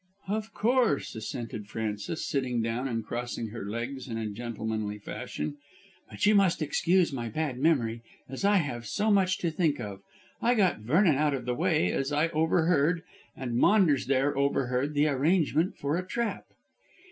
"Of course," assented Frances, sitting down and crossing her legs in a gentlemanly fashion; "but you must excuse my bad memory, as I have so much to think of. I got Vernon out of the way, as I overheard, and Maunders there overheard, the arrangement for a trap.